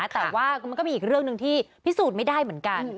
แต่ว่ามันก็มีอีกเรื่องหนึ่งที่พิสูจน์ไม่ได้เหมือนกัน